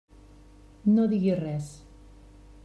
No digué res.